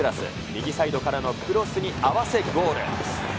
右サイドからのクロスに合わせ、ゴール。